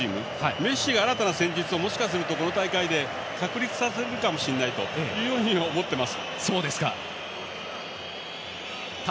メッシが新たな戦術をこの大会で確立させるかもしれないというふうに思っています。